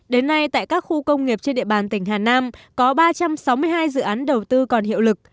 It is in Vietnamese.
đến nay tại các khu công nghiệp trên địa bàn tỉnh hà nam có ba trăm sáu mươi hai dự án đầu tư còn hiệu lực